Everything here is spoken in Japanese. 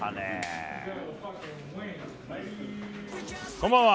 こんばんは。